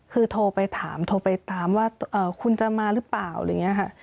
คือโทรไปถามโทรไปตามว่าคุณจะมาหรือเปล่าอะไรอย่างนี้ค่ะ